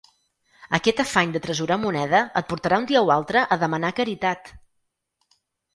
Aquest afany d'atresorar moneda et portarà un dia o altre a demanar caritat!